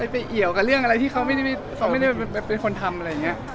เอี่ยวกับเรื่องอะไรที่เขาไม่ได้เป็นคนทำอะไรอย่างนี้